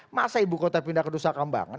masa ibu kota pindah ke nusa kambangan